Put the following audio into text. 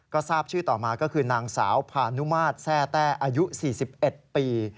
ก็ทราบชื่อต่อมาก็คือนางสาวพานุมาตรแทร่แต้อายุ๔๑ปี